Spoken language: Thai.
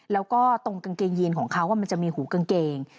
แล้วก็ตรงกางเกงยีนของเขามันจะมีหูกางเกง